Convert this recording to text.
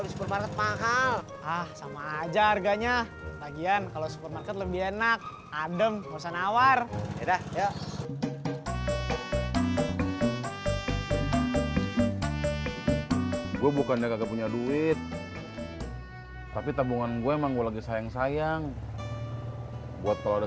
sama aja harganya bagian kalau supermarket lebih enak adem perusahaan awar ya dah ya